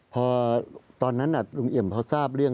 พอตอนนั้นลุงเอี่ยมเขาทราบเรื่อง